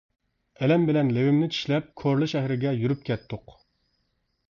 ئەلەم بىلەن لېۋىمنى چىشلەپ كورلا شەھىرىگە يۈرۈپ كەتتۇق.